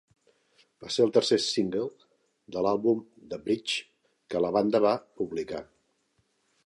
Va ser el tercer single de l'àlbum "The bridge" que la banda va publicar.